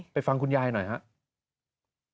ฟังคุณยายหน่อยครับ